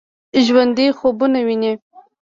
ژوندي خوبونه ويني